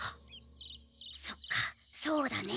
そっかそうだね。